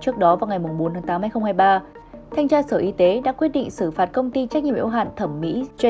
trước đó vào ngày bốn tháng tám hai nghìn hai mươi ba thanh tra sở y tế đã quyết định xử phạt công ty trách nhiệm yếu hạn thẩm mỹ j